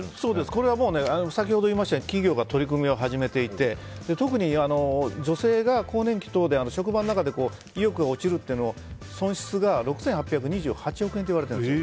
これは先ほど言いましたように企業が取り組みを始めていて特に、女性が更年期等で職場の中で意欲が落ちることの損失が６０００億円以上と言われているんです。